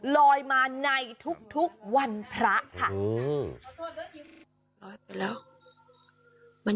ลอยมาในทุกวันพระค่ะ